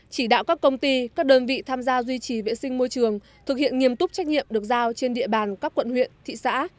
chỉ đạo các công ty các đơn vị tham gia duy trì vệ sinh môi trường thực hiện nghiêm túc trách nhiệm được giao trên địa bàn các quận huyện thị xã